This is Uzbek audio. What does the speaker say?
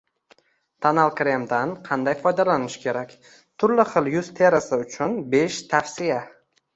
Tonal kremdan qanday foydalanish kerak? Turli xil yuz terisi uchunbeshtavsiya